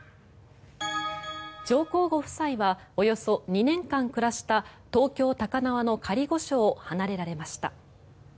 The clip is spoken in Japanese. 上皇ご夫妻はおよそ２年間暮らした東京・高輪の仮御所を離れられました。